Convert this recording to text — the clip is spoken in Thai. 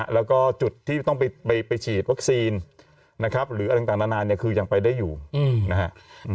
แล้วก็จุดที่ต้องไปฉีดวัคซีนนะครับหรืออะไรต่างนานาเนี่ยคือยังไปได้อยู่นะฮะ